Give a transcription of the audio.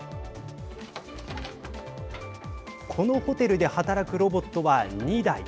このホテルで働くロボットは２台。